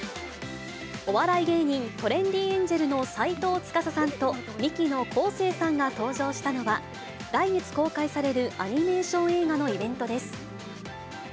お笑い芸人、トレンディエンジェルの斎藤司さんと、ミキの昴生さんが登場したのは、来月公開されるアニメーション映画のイベントです。